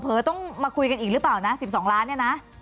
ไม่รู้เผลอต้องมาคุยกันอีกหรือเปล่านะ๑๒ล้านเนี่ยนะ